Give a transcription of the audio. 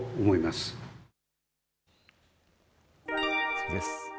次です。